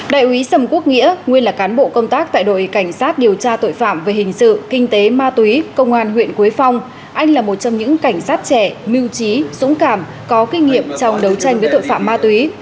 đại úy sầm quốc nghĩa nguyên là cán bộ công tác tại đội cảnh sát điều tra tội phạm về hình sự kinh tế ma túy công an huyện quế phong anh là một trong những cảnh sát trẻ mưu trí dũng cảm có kinh nghiệm trong đấu tranh với tội phạm ma túy